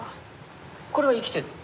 これは生きてる？